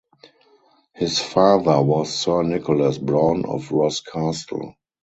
His father was Sir Nicholas Browne of Ross Castle.